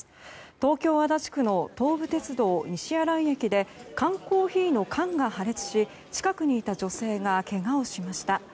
東京・足立区の東武鉄道西新井駅で缶コーヒーの缶が破裂し近くにいた女性がけがをしました。